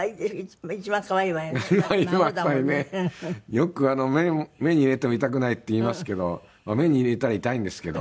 よく「目に入れても痛くない」って言いますけどまあ目に入れたら痛いんですけど。